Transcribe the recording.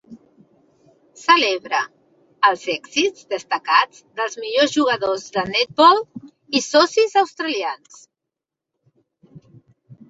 Celebra els èxits destacats dels millors jugadors de netball i socis australians.